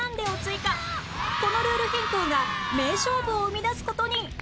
このルール変更が名勝負を生み出す事に！